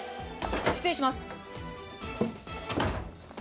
失礼します。